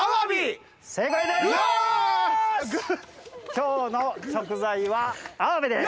今日の食材はアワビです！